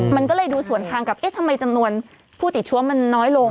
มันก็เลยดูสวนทางกับเอ๊ะทำไมจำนวนผู้ติดเชื้อมันน้อยลง